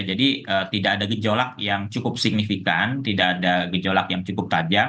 jadi tidak ada gejolak yang cukup signifikan tidak ada gejolak yang cukup tajam